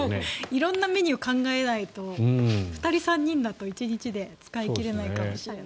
色んなメニューを考えないと２人、３人だと１日で使い切れないかもしれない。